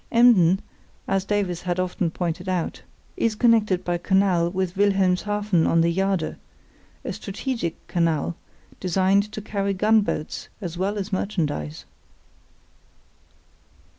Emden, as Davies had often pointed out, is connected by canal with Wilhelmshaven on the Jade, a strategic canal, designed to carry gunboats as well as merchandise.